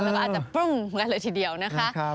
แล้วก็อาจจะปึ้งกันเลยทีเดียวนะคะ